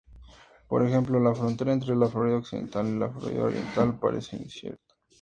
Por ejemplo, la frontera entre la Florida Occidental y la Florida Oriental parece incierta.